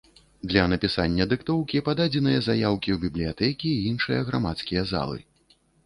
Для напісання дыктоўкі пададзеныя заяўкі ў бібліятэкі і іншыя грамадскія залы.